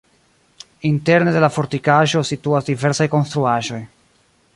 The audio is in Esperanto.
Interne de la fortikaĵo situas diversaj konstruaĵoj.